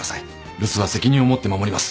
留守は責任をもって守ります。